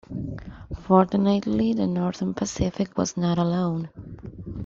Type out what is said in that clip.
Fortunately, the Northern Pacific was not alone.